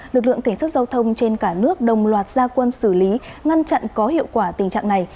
lực lượng cảnh sát giao thông trên cả nước đồng loạt gia quân xử lý ngăn chặn có hiệu quả tình trạng này